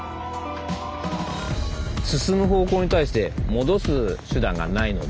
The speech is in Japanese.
進む方向に対して戻す手段がないので。